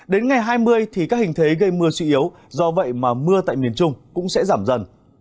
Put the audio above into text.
đến ngày hai mươi thì các hình thế gây mưa suy yếu do vậy mà mưa tại miền trung cũng sẽ giảm dần